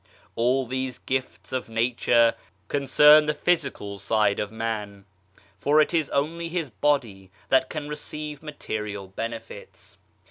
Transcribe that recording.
All these gifts of nature concern the physical side of 56 PROGRESS man, for it is only his body that can receive material benefits.